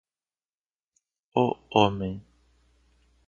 O homem